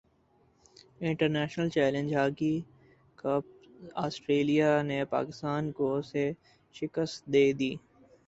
international challenge hockey cup Australia نے پاکستان کو سے شکست دے دی